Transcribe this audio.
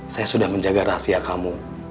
saya sudah menjaga rahasia kamu